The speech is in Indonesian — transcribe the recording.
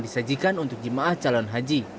disajikan untuk jemaah calon haji